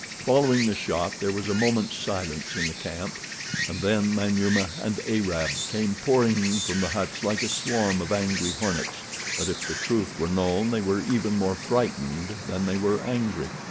Following the shot there was a moment's silence in the camp, and then Manyuema and Arab came pouring from the huts like a swarm of angry hornets; but if the truth were known they were even more frightened than they were angry.